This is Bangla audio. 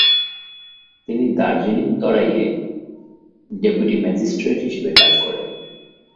তিনি দার্জিলিং তরাইয়ে ডেপুটি ম্যাজিস্ট্রেট হিসেবে কাজ করেন।